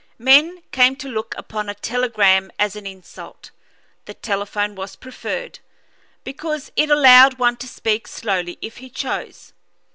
Men came to look upon a telegram as an insult; the telephone was preferred, because it allowed one to speak slowly if he chose.